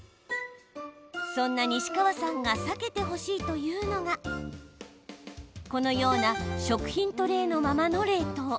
そんな西川さんが避けてほしいというのがこのような食品トレーのままの冷凍。